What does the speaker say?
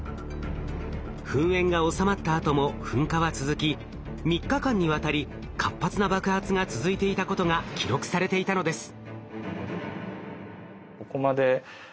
噴煙が収まったあとも噴火は続き３日間にわたり活発な爆発が続いていたことが記録されていたのです。